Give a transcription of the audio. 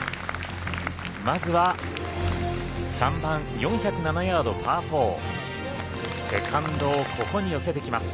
まずは３番４０７ヤード、パー４セカンドをここに寄せてきます。